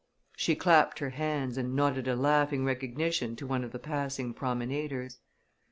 She clapped her hands, and nodded a laughing recognition to one of the passing promenaders.